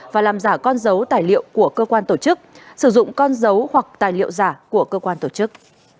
và làm giả con dấu tài liệu của cơ quan tổ chức sử dụng con dấu hoặc tài liệu giả của cơ quan tổ chức